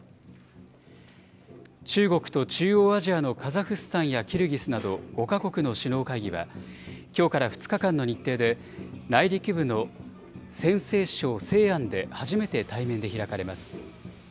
中国と中央アジアのカザフスタンやキルギスなど５か国の首脳会議は、きょうから２日間の日程で、内陸部の陝西省西安で初めて対面で開かれます。